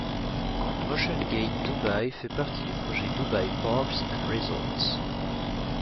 Motiongate Dubai fait partie du projet Dubai Parks and Resorts.